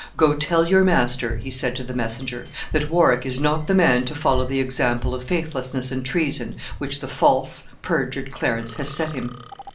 "Go tell your master," he said to the messenger, "that Warwick is not the man to follow the example of faithlessness and treason which the false, perjured Clarence has set him.